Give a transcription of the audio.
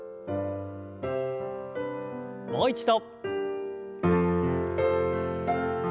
もう一度。